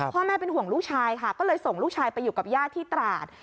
พ่อแม่เป็นห่วงลูกชายค่ะก็เลยส่งลูกชายไปอยู่กับญาติที่ตราด